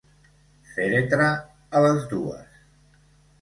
Fèretre a les dues.